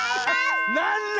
なんだ？